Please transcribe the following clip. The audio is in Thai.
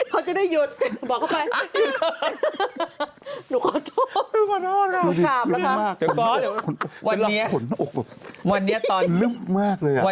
ไปผ่านเดี๋ยวเดี๋ยว